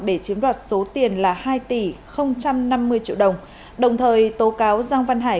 để chiếm đoạt số tiền là hai tỷ năm mươi triệu đồng đồng thời tố cáo giang văn hải